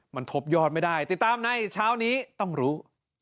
มันทบยอดไม่ได้ติดตามในเช้านี้ต้องรู้